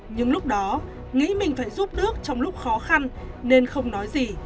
nhưng lúc đó nghĩ mình phải giúp nước trong lúc khó khăn nên không nói gì